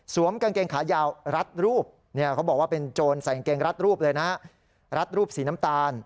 กางเกงขายาวรัดรูปเนี่ยเขาบอกว่าเป็นโจรใส่กางเกงรัดรูปเลยนะฮะรัดรูปสีน้ำตาล